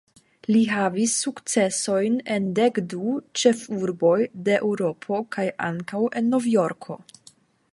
Li havis sukcesojn en dekdu ĉefurboj de Eŭropo kaj ankaŭ en Novjorko.